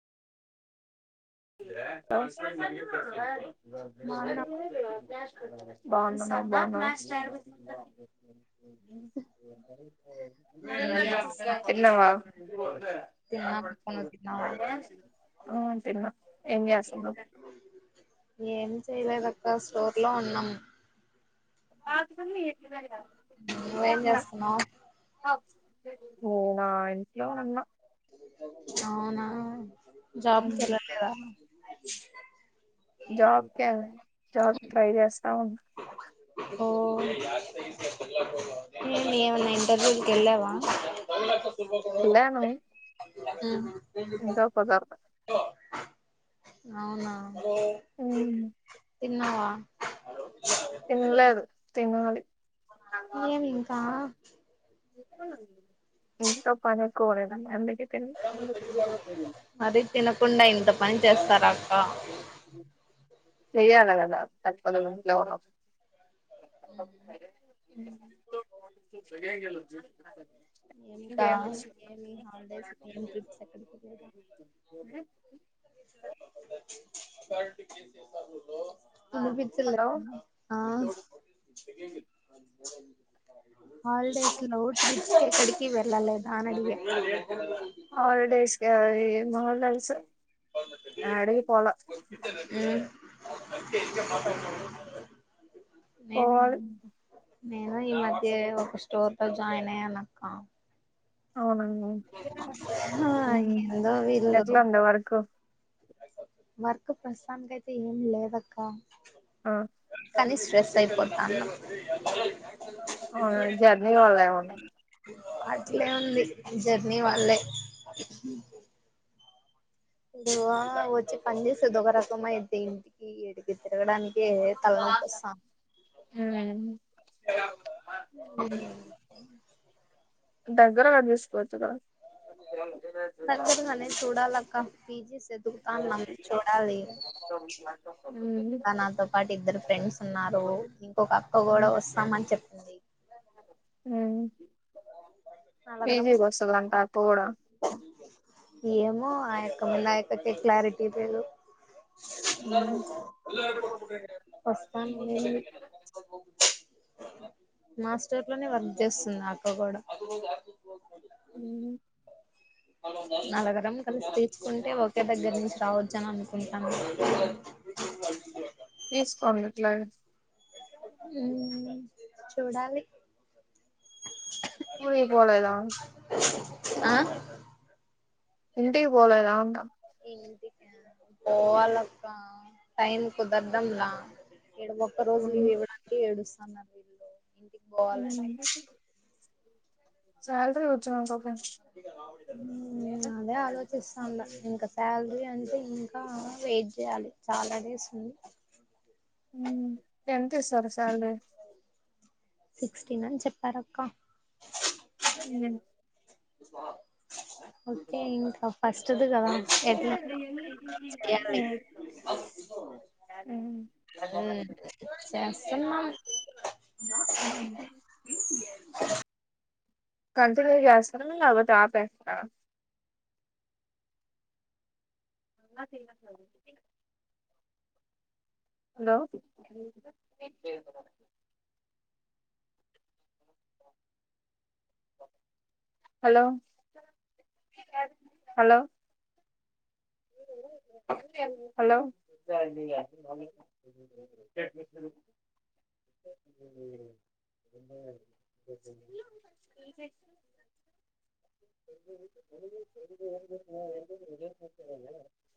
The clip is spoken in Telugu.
మా అన్న బాగున్న మీరు బాగున్నారా తిన్నాం అక్క తిన్నావా నువ్వు తిన్నావా అ తిన్న ఏం చేయలేదు అక్క స్టోర్ లో ఉన్నాం పాకున్న ఏట్ద నువ్వేం చేస్తున్నావు నినా ఇంట్లో ఉన్న అవునా జాబ్కి వెళ్ళాలేదా జబ్ కే జబ్ క్ ట్రై చేస్తా ఉన్న ఓ ఏమన్నా ఇంటర్వ్యూకేళ్ళవా అ ఏళ్లను మ్ ఇంట్లో కూదర్దు అవునా తిన్నావా తన్లేదు తినాలి ఏమి ఇంకా ఇంటితో పనేక్కువనేనా అన్నింటికిని మరీ తినకుండా ఇంత పని చేస్తారా అక్క చెయ్యాలె కదా తప్పదు మరి ఇంట్లో ఉన్నప్పుడు ఆ స గ ఇంకా ఇంకేమి ఏమి హాలిడేస్ ఏం ట్రిప్స్ ఎక్కడికి ర్ వినిపించలే హలో ఆ హల్డేస్ లో ట్రిప్ కి ఎక్కడికి వెళ్లలేదా అని అడిగ హాలిడేస్ క ఏమోడల్స్ అడికి పోల మ్మ్ నేను ఇన్ పోవాలి నేను ఇ మద్ ద్యే ఒక స్టోర్ లో జాయిన్ అయ్యానక్క అవునండి హ ఉమ్ ఏందో వీళ్లకు ఎట్లా ఉంది వర్క్ వర్క్ ప్రస్తుతానికి అయితే ఎం లేదక్క ఆ కానీ స్ట్రెస్ అయిపోతాన అవున జర్నీ వళ్ళ ఏమో లే అట్లే ఉంది జర్నీ వళ్ళే ఇగ వచ్చి పని చేసేది ఒక రకమైద్ది ఇంటికి ఇడికి తిరగడానికి ఏ తల్నొప్పోస్థంది మ్ దగ్గర గా చుసుకోవచ్చు కదా అదే దగ్గరగానే చూడాలక్క పిజీ సదువుతన్నం చూడలి ఉమ్ క నాతో పాటు ఇద్దరు ఫ్రెండ్స్ ఉన్నారు ఇంకొక అక్క కూడా వస్తామని చెప్ పింది మ్ నలుగురం పజీ బస్తులాంటా పోడం ఏమో ఆ యొక్క ముందు ఆయొక్కతే క్లారిటీ లేదు ఉమ్ పస్తా మాస్టర్ లోనే వర్క్ చేస్తుంది అక్క కూడా అ నలగరం కలిసి తీసుుకుంటే ఒకే దగ్గర నుంచి రావచ్చు అని అనుకుంటాను పలీస్ కాన్ నట్లా ఉ చూడాలి మూనే పోలేదా ఆ ఇంటికి పోలేంద ఏంటి పోవాలక్క టైం కుదరదంలా ఏ ఒక్క రోజు ఉమ్ లీవ్ ఇవ్వడానికి ఏడుస్తున్నారు వీళ్ళు ఇంటికి పోవాలంటే సాలీ నేను అదే ఆలోచిస్తా ఇంక శాలరీ అ అ ఇంకా వెయిట్ చేయాలి చాలా డేస్ ఉంది హ్మ్. ఎంత సార్ సాలరీ సిక్స్టీన్ అని చెప్పార అక్క ఓకే ఇంకా ఫస్ట్ అ కదా ఎట్ చేయాలి చేస్తున్నా కంట్ర చేస్తారా మ అబటి ఆపేస్తార అంగ తె ఇల స హలో అ హలో హలో హలో ఎ